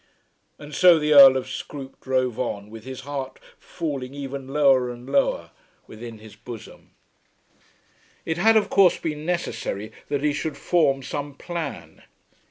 And so the Earl of Scroope drove on with his heart falling ever lower and lower within his bosom. It had of course been necessary that he should form some plan.